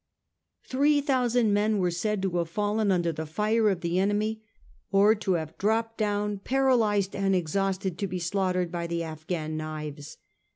Three thousand men are said to have fallen under the fire of the enemy, or to have dropped down paralysed and exhausted to be slaugh tered by the Afghan knives.